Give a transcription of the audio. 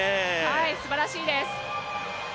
すばらしいです。